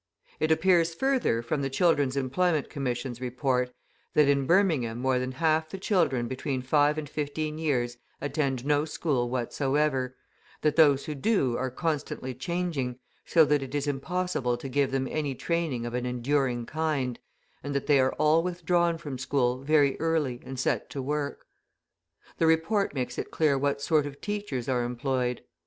It appears further, from the Children's Employment Commission's Report, that in Birmingham more than half the children between five and fifteen years attend no school whatsoever, that those who do are constantly changing, so that it is impossible to give them any training of an enduring kind, and that they are all withdrawn from school very early and set to work. The report makes it clear what sort of teachers are employed.